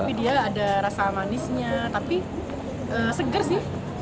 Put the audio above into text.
tapi dia ada rasa manisnya tapi seger sih